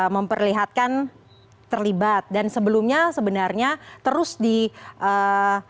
memperlihatkan terlibat dan sebelumnya sebenarnya terus dikatakan bahwa putri ini saksi kunci